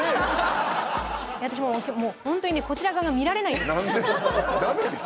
私もうホントにねこちら側が見られないんです何で？